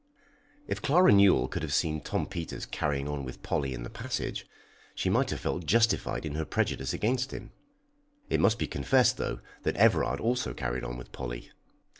If Clara Newell could have seen Tom Peters carrying on with Polly in the passage, she might have felt justified in her prejudice against him. It must be confessed, though, that Everard also carried on with Polly.